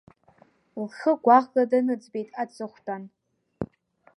Лхы гәаӷла даныӡбеит аҵыхәтәан.